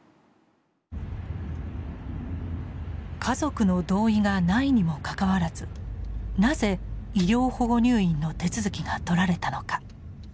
家族の同意がないにもかかわらずなぜ医療保護入院の手続きがとられたのか。